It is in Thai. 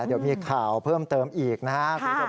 เดี๋ยวมีข่าวเพิ่มเติมอีกนะครับ